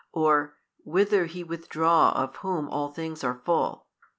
or whither He withdraw of Whom all things are full?